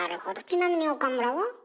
ちなみに岡村は？